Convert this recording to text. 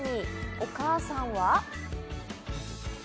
お母さんは。